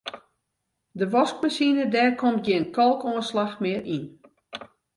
De waskmasine dêr komt gjin kalkoanslach mear yn.